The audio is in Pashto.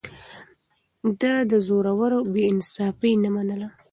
ده د زورورو بې انصافي نه منله.